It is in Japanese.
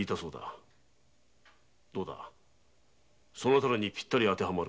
どうだそなたらにピッタリ当てはまる。